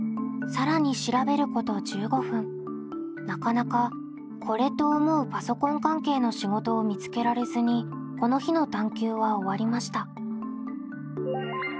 なかなかこれと思うパソコン関係の仕事を見つけられずにこの日の探究は終わりました。